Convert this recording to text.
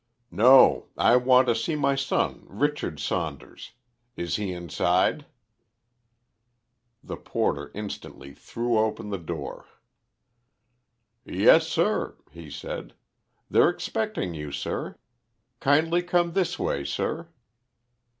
"No! I want to see my son, Richard Saunders. Is he inside?" The porter instantly threw open the door. "Yes, sir," he said. "They're expecting you, sir. Kindly come this way, sir."